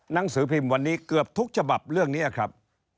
หนังสือพิมพ์วันนี้เกือบทุกฉบับเรื่องนี้ครับ